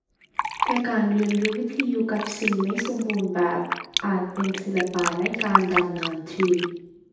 แต่การเรียนรู้วิธีอยู่กับสิ่งไม่สมบูรณ์แบบอาจเป็นศิลปะในการดำเนินชีวิต